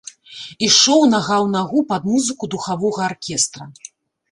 Ішоў нага ў нагу пад музыку духавога аркестра.